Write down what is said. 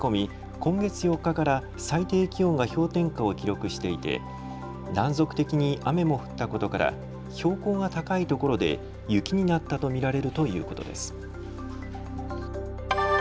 今月４日から最近気温が氷点下を記録していて断続的に雨も降ったことから標高が高いところで雪になったと見られるということです。